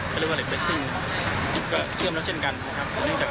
การตัวที่สองก็จะประกบกับการตัวแรกนะครับ